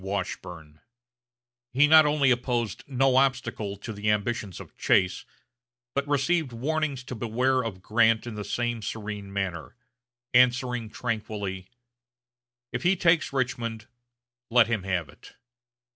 Washburne. He not only opposed no obstacle to the ambitions of Chase, but received warnings to beware of Grant in the same serene manner, answering tranquilly, "If he takes Richmond, let him have it."